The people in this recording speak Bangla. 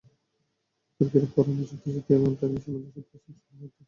তুর্কিরা পুরোনো যোদ্ধা জাতি, আবার তেমনি সমাজ সুপ্রাচীন সুফি আধ্যাত্মিকতার ঐতিহ্যে সমৃদ্ধ।